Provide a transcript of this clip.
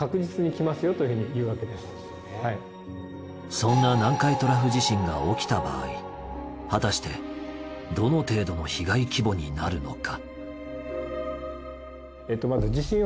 そんな南海トラフ地震が起きた場合果たしてどの程度の被害規模になるのか？